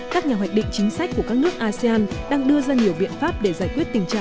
các nhà hoạch định chính sách của các nước asean đang đưa ra nhiều biện pháp để giải quyết tình trạng